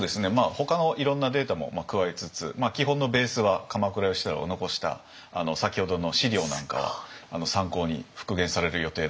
ほかのいろんなデータも加えつつ基本のベースは鎌倉芳太郎が残した先ほどの資料なんかは参考に復元される予定だと思います。